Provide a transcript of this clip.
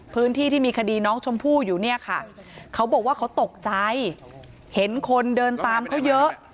พื้นที่ที่มีคดีน้องชมพู่อยู่เนี่ยค่ะเขาบอกว่าเขาตกใจเห็นคนเดินตามเขาเยอะ